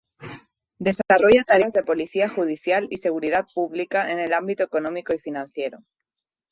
Desarrolla tareas de policía judicial y seguridad pública en el ámbito económico y financiero.